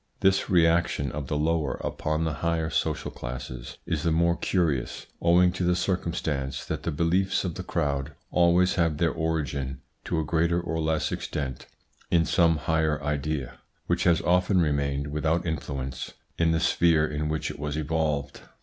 This reaction of the lower upon the higher social classes is the more curious, owing to the circumstance that the beliefs of the crowd always have their origin to a greater or less extent in some higher idea, which has often remained without influence in the sphere in which it was evolved.